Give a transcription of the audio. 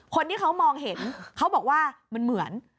คนที่เขามองเห็นเขาบอกว่ามันเหมือน